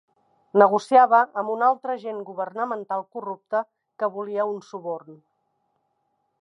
Negociava amb un altre agent governamental corrupte que volia un suborn.